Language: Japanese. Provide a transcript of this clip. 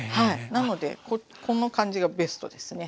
なのでこの感じがベストですね。